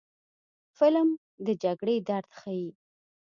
فلم د جګړې درد ښيي